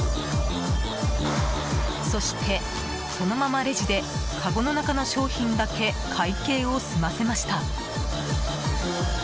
そして、そのままレジでかごの中の商品だけ会計を済ませました。